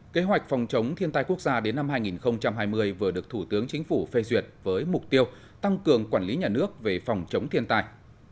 kế hoạch phòng chống thiên tai quốc gia đến năm hai nghìn hai mươi vừa được thủ tướng chính phủ phê duyệt với mục tiêu tăng cường quản lý nhà nước về phòng chống thiên tai